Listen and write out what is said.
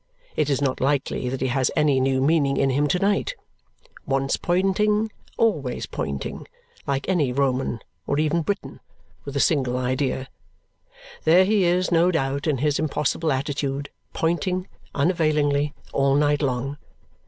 It is not likely that he has any new meaning in him to night. Once pointing, always pointing like any Roman, or even Briton, with a single idea. There he is, no doubt, in his impossible attitude, pointing, unavailingly, all night long.